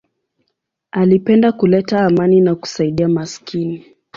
Alipenda kuleta amani na kusaidia maskini.